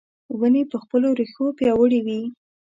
ونې په خپلو رېښو پیاوړې وي .